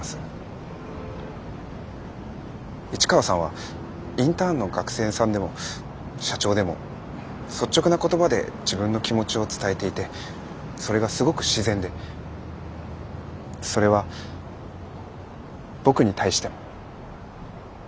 市川さんはインターンの学生さんでも社長でも率直な言葉で自分の気持ちを伝えていてそれがすごく自然でそれは僕に対しても。